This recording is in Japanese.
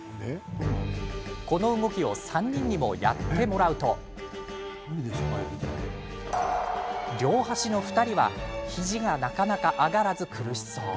この動きを３人にもやってもらうと両端の２人は肘がなかなか上がらず苦しそう。